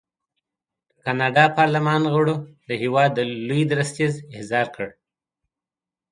د کاناډا پارلمان غړو د هېواد لوی درستیز احضار کړی.